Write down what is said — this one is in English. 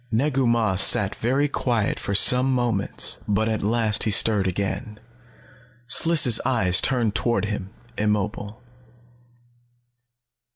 Negu Mah sat very quiet for some moments. But at last he stirred again. Sliss' eyes turned toward him, immobile.